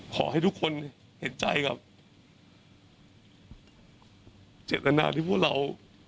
ขอให้ทุกคนเห็นใจกับเจตนาที่พวกเรา